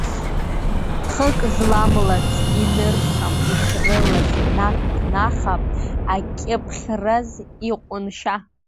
Хык зламлац иныршам ишрылаз, наҟ днахап акьыԥхьраз иҟәыншьа.